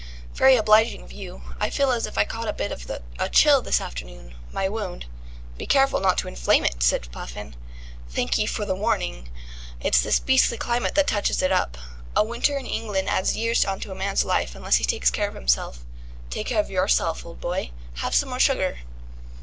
"Very obliging of you. I feel as if I caught a bit of a chill this afternoon. My wound." "Be careful not to inflame it," said Puffin. "Thank ye for the warning. It's this beastly climate that touches it up. A winter in England adds years on to a man's life unless he takes care of himself. Take care of yourself, old boy. Have some more sugar."